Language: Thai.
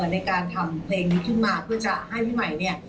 ในการทำเพลงนี้ขึ้นมาเพื่อจะให้พี่ใหม่เนี่ย